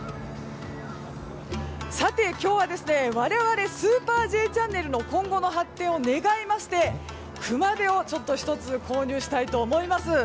今日は我々「スーパーＪチャンネル」の今後の発展を願いまして熊手を１つ購入したいと思います。